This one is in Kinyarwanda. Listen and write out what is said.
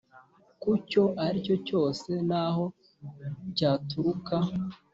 kucyo aricyo cyose naho ryaturuka